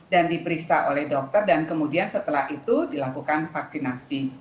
dan diperiksa oleh dokter dan kemudian setelah itu dilakukan vaksinasi